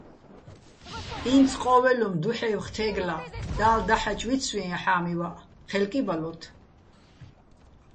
ინც ყო́ველ უ̂მ დუჰ̦ეჲვხ თეგლა, და́ლ დაჰაჭ ვიცვიეჼ ჰ̦ამივაჸ, ჴელ კი ბალოთ.